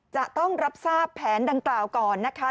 จะต้องรับทราบแผนดังกล่าวก่อนนะคะ